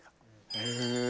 へえ。